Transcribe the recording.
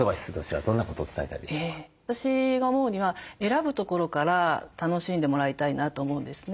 私が思うには選ぶところから楽しんでもらいたいなと思うんですね。